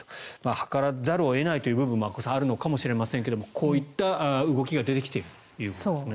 図らざるを得ないという部分もあるのかもしれませんがこういった動きが出てきているということですね。